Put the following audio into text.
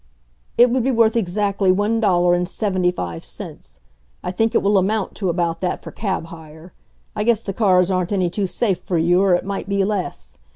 "It would be worth exactly one dollar and seventy five cents. I think it will amount to about that for cab hire. I guess the cars aren't any too safe for you, or it might be less.